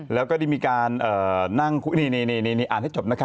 แล้วก็ได้มีการนั่งอ่านให้จบนะคะ